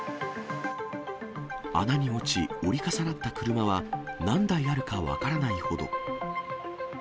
穴に落ち、折り重なった車は、何台あるか分からないほど。